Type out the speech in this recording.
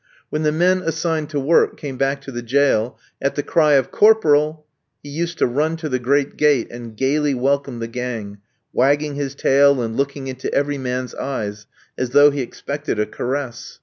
When the men assigned to work came back to the jail, at the cry of "Corporal," he used to run to the great gate and gaily welcome the gang, wagging his tail and looking into every man's eyes, as though he expected a caress.